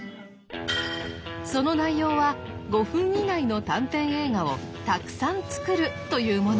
その内容は５分以内の短編映画をたくさん作るというもの。